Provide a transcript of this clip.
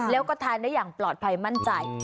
แล้วก็ทานได้อย่างปลอดภัยมั่นใจ